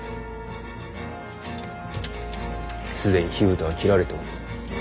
既に火蓋は切られておる。